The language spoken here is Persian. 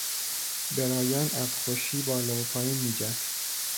برایان از خوشی بالا و پایین میجست.